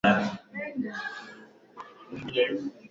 Goma bulongo buko mboleo